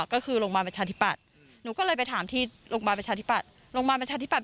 ก็คือโรงพยาบาลประชาธิบัตรหนูก็เลยไปถามที่โรงพยาบาลประชาธิบัตร